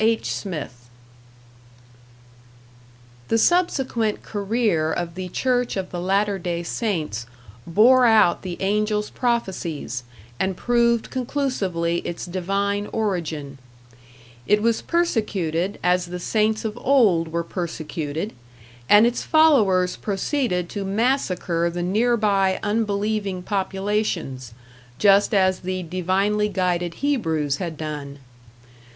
H. Smith The subsequent career of the Church of the Latter Day Saints bore out the Angel's prophesies and proved conclusively its divine origin; it was persecuted as the saints of old were persecuted, and its followers proceeded to massacre the nearby unbelieving populations, just as the divinely guided Hebrews had done.